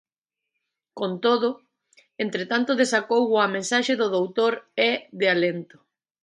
Con todo, entre tanto desacougo a mensaxe do doutor é de alento.